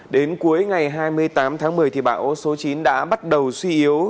đến cuối ngày hai mươi tám tháng một mươi thì bão số chín đã bắt đầu suy yếu